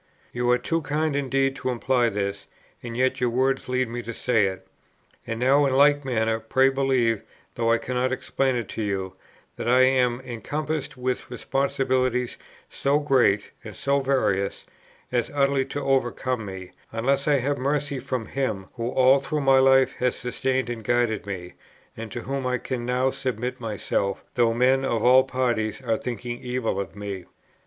You are too kind indeed to imply this, and yet your words lead me to say it. And now in like manner, pray believe, though I cannot explain it to you, that I am encompassed with responsibilities, so great and so various, as utterly to overcome me, unless I have mercy from Him, who all through my life has sustained and guided me, and to whom I can now submit myself, though men of all parties are thinking evil of me."